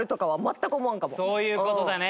そういう事だね。